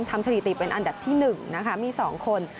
ทำสถิติเป็นอันดับที่หนึ่งนะคะมี๒คน